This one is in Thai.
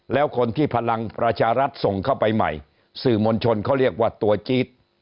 แล้วคนที่พลังประชารัฐส่งเข้าไปใหม่สื่อมวลชนเขาเรียกว่าตัวจี๊ด